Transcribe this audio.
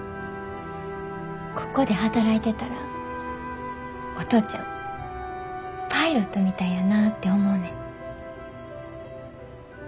ここで働いてたらお父ちゃんパイロットみたいやなて思うねん。